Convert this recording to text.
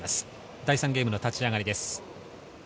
第３ゲームの立ち上がりです。